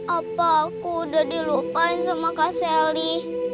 apa aku udah dilupain sama kak selly